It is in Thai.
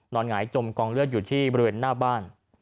หงายจมกองเลือดอยู่ที่บริเวณหน้าบ้าน